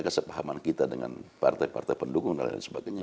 kesepahaman kita dengan partai partai pendukung dan lain sebagainya